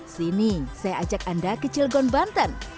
sini saya ajak anda ke cilgon banten